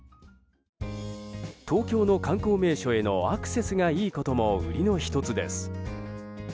東京の観光名所へのアクセスがいいことも売りの１つです。